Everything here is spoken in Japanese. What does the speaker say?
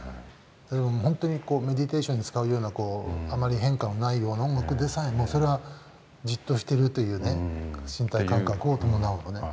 本当にメディテーションに使うようなあまり変化のない音楽でさえもそれはじっとしてるという身体感覚を伴うのね。